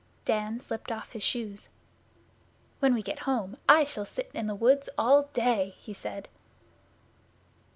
Dan slipped off his shoes. 'When we get home I shall sit in the woods all day,' he said.